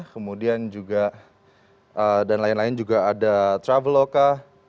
kemudian juga ada traveloka